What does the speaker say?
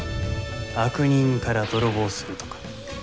悪人から泥棒するとか。